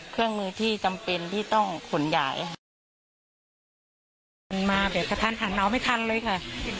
เครื่องมือที่จำเป็นที่ต้องขนย้ายค่ะมันมาแบบกระทันหันเอาไม่ทันเลยค่ะ